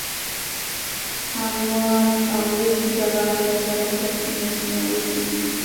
هموار او اوږد جغل په سرکونو کې نه استعمالیږي